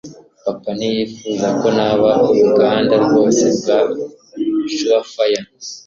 papa ntiyifuzaga ko naba uruganda rwose rwa surefire